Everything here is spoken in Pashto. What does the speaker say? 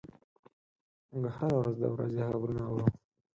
موږ هره ورځ د ورځې خبرونه اورو.